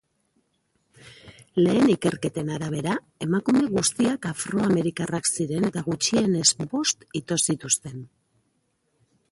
Lehen ikerketen arabera, emakume guztiak afroamerikarrak ziren eta gutxienez bost ito zituen.